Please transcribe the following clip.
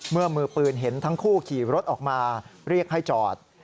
มือปืนเห็นทั้งคู่ขี่รถออกมาเรียกให้จอด